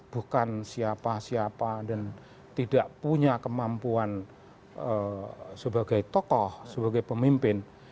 bukan siapa siapa dan tidak punya kemampuan sebagai tokoh sebagai pemimpin